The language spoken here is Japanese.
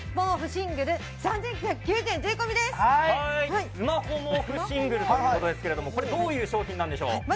シングルスマホ毛布シングルということですがこれ、どういう商品なんでしょう。